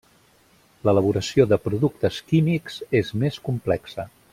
L'elaboració de productes químics és més complexa.